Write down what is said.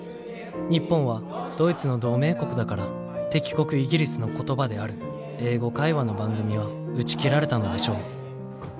日本はドイツの同盟国だから敵国イギリスの言葉である英語会話の番組は打ち切られたのでしょう。